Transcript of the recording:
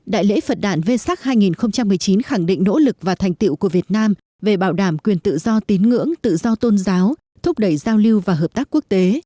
đại lễ phật đạn vê sắc hai nghìn một mươi chín khẳng định nỗ lực và thành tiệu của việt nam về bảo đảm quyền tự do tín ngưỡng tự do tôn giáo thúc đẩy giao lưu và hợp tác quốc tế